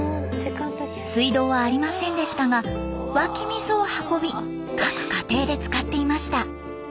水道はありませんでしたが湧き水を運び各家庭で使っていました。